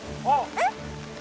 えっ！？